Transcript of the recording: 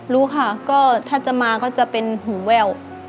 รู้ค่ะก็ถ้าจะมาก็จะเป็นหูแว่ว